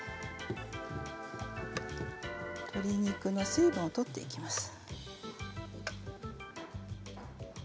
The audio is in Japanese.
鶏肉の水分を取っていきます。